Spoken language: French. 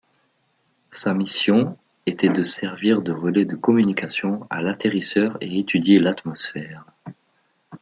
Sa mission était de servir de relais de communication à l'atterrisseur et étudier l'atmosphère.